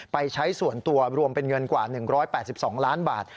ใช้ส่วนตัวรวมเป็นเงินกว่า๑๘๒ล้านบาท